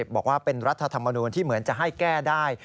บอกว่าเป็นรัฐธรรมนูลที่เหมือนจะให้แก้ได้